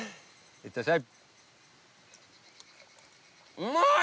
いってらっしゃい